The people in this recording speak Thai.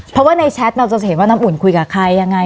เพราะว่าในแชทเราจะเห็นว่าน้ำอุ่นคุยกับใครยังไง